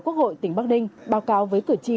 quốc hội tỉnh bắc ninh báo cáo với cử tri